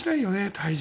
体重。